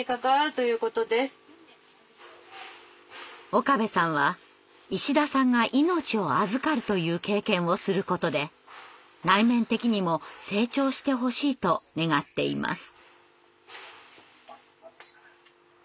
岡部さんは石田さんが命を預かるという経験をすることで内面的にも成長してほしいと願っています。